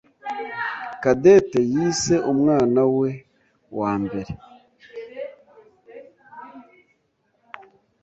Cadette yise umwanawe we wa mbere .